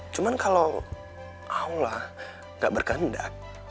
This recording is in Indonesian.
cuman kalau allah gak berkendak